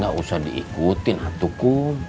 gak usah diikutin atu kum